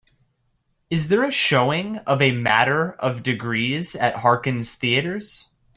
Is there a showing of A Matter of Degrees at Harkins Theatres